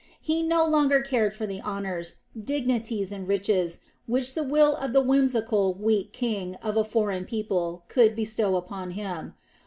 He no longer cared for the honors, dignities and riches which the will of the whimsical, weak king of a foreign people could bestow upon him.